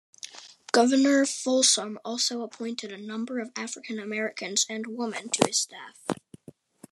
Governor Folsom also appointed a number of African Americans and women to his staff.